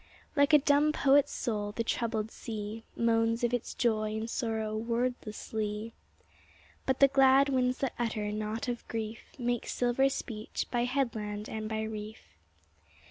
Like a dumb poet's soul the troubled sea Moans of its joy and sorrow wordlessly; But the glad winds that utter naught of grief Make silver speech by headland and by reef.